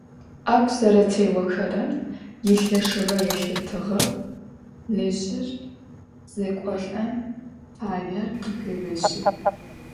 Ӏэгу зэрэтеохэрэм илъэшыгъэ елъытыгъэу лэжъыр зэкӏолӏэн фаер къыхегъэщы.